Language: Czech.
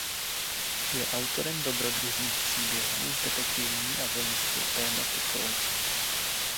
Je autorem dobrodružných příběhů s detektivní a vojenskou tematikou.